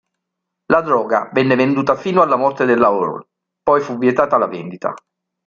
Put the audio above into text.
La droga venne venduta fino alla morte della Horne, poi fu vietata la vendita.